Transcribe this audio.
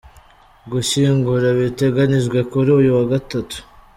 Gushyingura biteganijwe kuri uyu wa Gatatu.